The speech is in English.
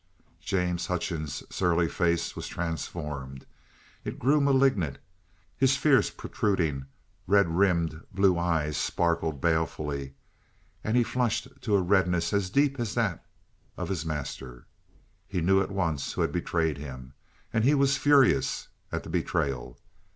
James Hutchings' surly face was transformed. It grew malignant; his fierce, protruding, red rimmed blue eyes sparkled balefully, and he flushed to a redness as deep as that of his master. He knew at once who had betrayed him, and he was furious at the betrayal.